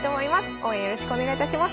応援よろしくお願いいたします。